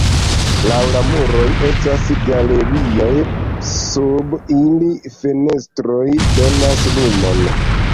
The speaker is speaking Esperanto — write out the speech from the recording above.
Laŭ la muroj estas galerioj, sub ili fenestroj donas lumon.